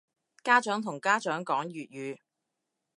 家長同家長講粵語